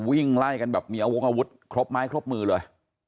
วิ่งไล่กันแบบมีอาวงอาวุธครบไม้ครบมือเลย